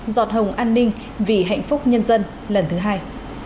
giọt hồng an ninh vì hạnh phúc nhân dân lần thứ hai